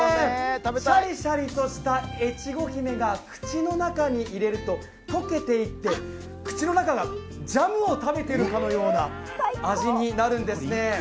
シャリシャリとした越後姫が口の中に入れると、解けていって、口の中がジャムを食べているかのような味になるんですね。